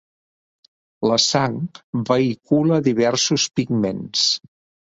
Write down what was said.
La sang vehicula diversos pigments.